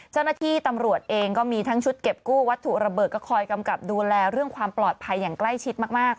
เจ้าหน้าที่ตำรวจเองก็มีทั้งชุดเก็บกู้วัตถุระเบิดก็คอยกำกับดูแลเรื่องความปลอดภัยอย่างใกล้ชิดมาก